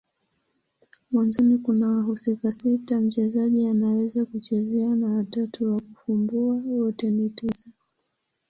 Mwanzoni kuna wahusika sita mchezaji anaweza kuchezea na watatu wa kufumbua. Wote ni tisa.